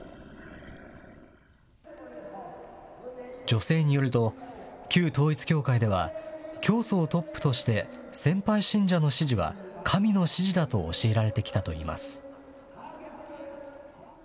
女性によると、旧統一教会では、教祖をトップとして、先輩信者の指示は神の指示だと教えられてきたといいます。